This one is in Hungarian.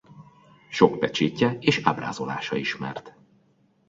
Sok pecsétje és ábrázolása ismert.